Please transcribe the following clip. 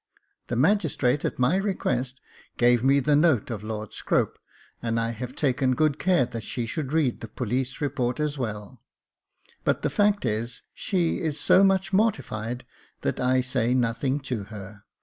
The magistrate, at my request, gave me the note of Lord Scrope, and I have taken good care that she should read the police report as well ; but the fact is, she is so much mortified, that I say nothing to her.